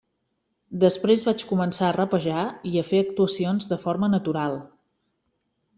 Després vaig començar a rapejar i a fer actuacions de forma natural.